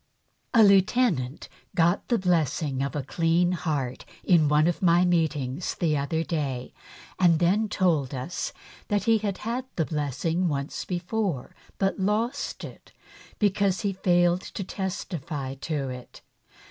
A LIEUTENANT got the blessing of a clean heart in one of my meetings the other day, and then told us that he had had the blessing once before but lost it because he failed to testify to it.